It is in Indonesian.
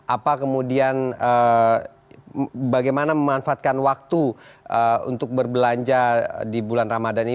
apa kemudian bagaimana memanfaatkan waktu untuk berbelanja di bulan ramadan ini